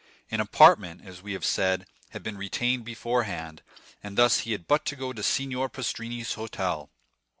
An apartment, as we have said, had been retained beforehand, and thus he had but to go to Signor Pastrini's hotel.